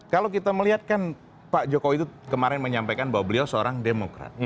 kalau kita melihat kan pak jokowi itu kemarin menyampaikan bahwa beliau seorang demokrat